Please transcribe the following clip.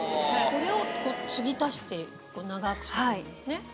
これを継ぎ足して長くして行くんですね？